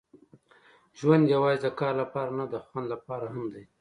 ژوند یوازې د کار لپاره نه، د خوند لپاره هم دی.